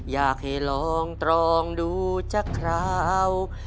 บัทไขลองตรองดูจักรกราว